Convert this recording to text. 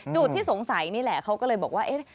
จุดที่สงสัยนี่แหละเขาก็เลยบอกว่า